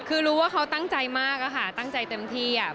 คือรู้ว่าเขาตั้งใจมากอะค่ะตั้งใจเต็มที่